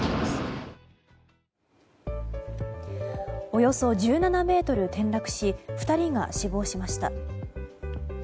およそ１７ｍ転落し２人が死亡しました。